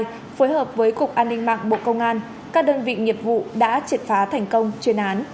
phối hợp với cục an ninh mạng bộ công an các đơn vị nghiệp vụ đã triệt phá thành công chuyên án